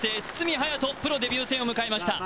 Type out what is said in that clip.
駿斗プロデビュー戦を迎えました・